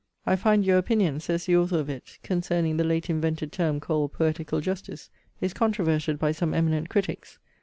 'I find your opinion,' says the author of it, 'concerning the late invented term called poetical justice, is controverted by some eminent critics.